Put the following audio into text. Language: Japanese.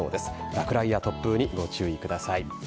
落雷や突風にご注意ください。